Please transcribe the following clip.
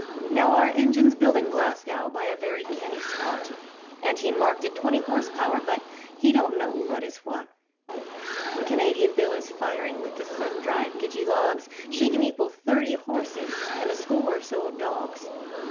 Now, our engine's built in Glasgow by a very canny Scot, And he marked it twenty horse power, but he don't know what is what: When Canadian Bill is firing with the sun dried gidgee logs, She can equal thirty horses and a score or so of dogs.